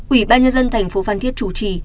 ubnd tp phan thiết chủ trì